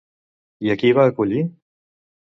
I a qui hi va acollir?